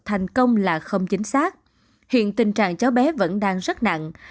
thành công là không chính xác hiện tình trạng cháu bé vẫn đang rất nặng